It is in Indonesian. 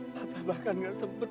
papa bahkan gak sempat